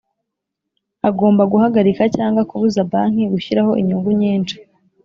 Agomba guhagarika cyangwa kubuza banki gushyiraho inyungu nyinshi